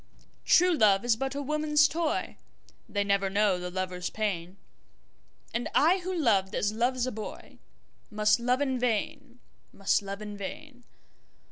True love is but a woman's toy, They never know the lover's pain, And I who loved as loves a boyMust love in vain, must love in vain.